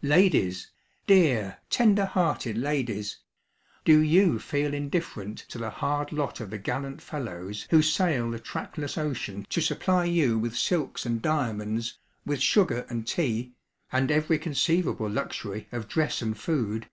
Ladies! dear, tender hearted ladies! do you feel indifferent to the hard lot of the gallant fellows who sail the trackless ocean to supply you with silks and diamonds, with sugar and tea, and every conceivable luxury of dress and food?